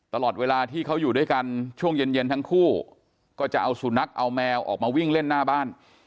ตลอดเวลาที่เขาอยู่ด้วยกันช่วงเย็นทั้งคู่ก็จะเอาสุนัขเอาแมวออกมาวิ่งเล่นหน้าบ้าน